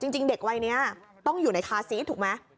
จริงเด็กวัยนี้ต้องอยู่ในคาซีสถูกไหม